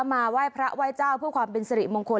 มาไหว้พระไหว้เจ้าเพื่อความเป็นสิริมงคล